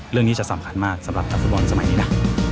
เรื่องนี้จะสำคัญมากสำหรับนักฟุตบอลสมัยนี้นะ